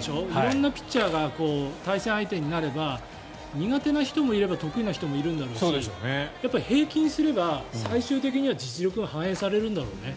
色んなピッチャーが対戦相手になれば苦手な人もいれば得意な人もいるだろうし平均すれば最終的には実力が反映されるんだろうね。